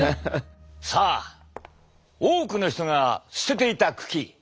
さあ多くの人が捨てていた茎。